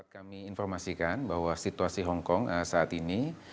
kami informasikan bahwa situasi hongkong saat ini